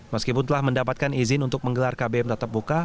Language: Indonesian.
meskipun telah mendapatkan izin untuk menggelar kbm tatap muka